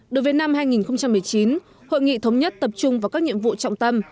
đối với năm hai nghìn một mươi chín hội nghị thống nhất tập trung vào các nhiệm vụ trọng tâm